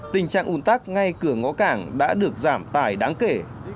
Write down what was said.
tình trạng ủn tắc ngay cửa ngõ cảng đã được giảm tải đáng kể